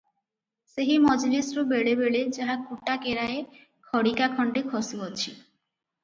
ସେହି ମଜଲିସ୍ରୁ ବେଳେବେଳେ ଯାହା କୁଟାକେରାଏ, ଖଡ଼ିକାଖଣ୍ତେ ଖସୁଅଛି ।